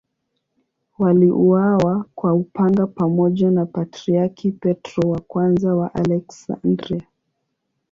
Waliuawa kwa upanga pamoja na Patriarki Petro I wa Aleksandria.